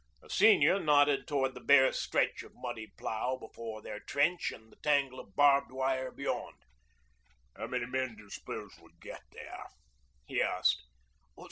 The senior nodded towards the bare stretch of muddy plough before their trench, and the tangle of barbed wire beyond. 'How many men d'you suppose would get there?' he asked.